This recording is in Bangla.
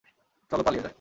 চল পালিয়ে যাই।